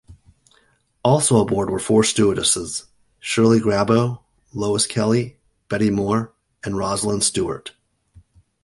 Also aboard were four stewardesses: Shirley Grabow, Lois Kelly, Betty Moore, and Rosalind Stewart.